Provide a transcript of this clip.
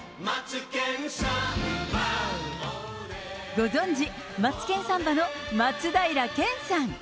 ご存じ、マツケンサンバの松平健さん。